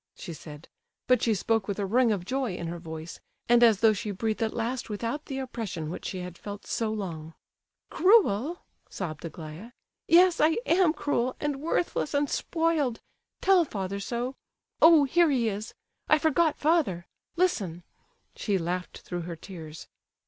she said, but she spoke with a ring of joy in her voice, and as though she breathed at last without the oppression which she had felt so long. "Cruel?" sobbed Aglaya. "Yes, I am cruel, and worthless, and spoiled—tell father so,—oh, here he is—I forgot Father, listen!" She laughed through her tears.